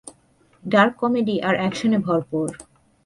Dark comedy আর একশনে ভরপুর।